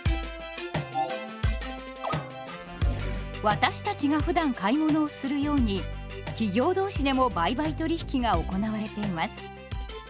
私たちがふだん買い物をするように企業どうしでも売買取引が行われています。